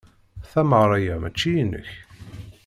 Tameɣra-a mačči inek.